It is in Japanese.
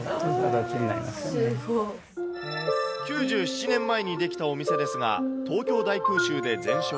９７年前に出来たお店ですが、東京大空襲で全焼。